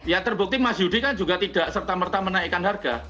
ya terbukti mas yudi kan juga tidak serta merta menaikkan harga